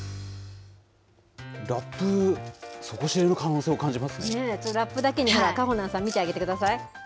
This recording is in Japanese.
ラップ、ラップだけに、かほなんさん、見てあげてください。